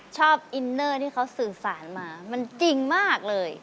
ชอบอินเนอร์ที่เขาสื่อสารมามันจริงมากเลย